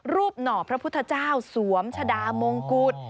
หน่อพระพุทธเจ้าสวมชะดามงกุฎ